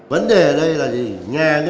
vấn đề ở đây là gì